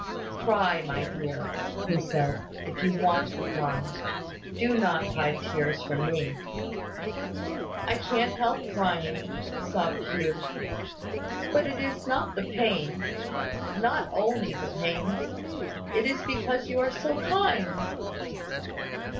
"Cry, my dear," he said, "if you want to cry. Do not hide tears from me." "I can't help crying," sobbed Hugh: "but it is not the pain, not only the pain; it is because you are so kind!"